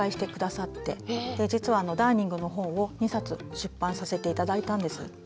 実はダーニングの本を２冊出版させて頂いたんです。